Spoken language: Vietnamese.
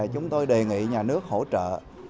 chúng tôi đề nghị nhà nước hỗ trợ